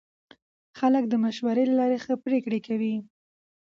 خلک د مشورې له لارې ښه پرېکړې کوي